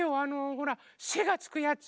ほら「せ」がつくやつ。